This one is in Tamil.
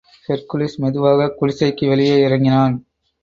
ஹெர்க்குலிஸ் மெதுவாகக் குடிசைக்கு வெளியே இறங்கினான்.